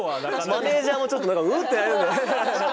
マネージャーもちょっと何かうん？ってなるんで。